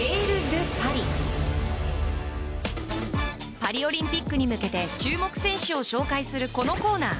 パリオリンピックに向けて注目選手を紹介するこのコーナー。